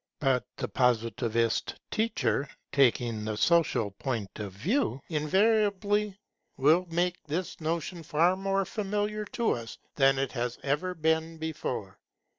But the Positivist teacher, taking the social point of view invariably, will make this notion far more familiar to us than it has ever been before.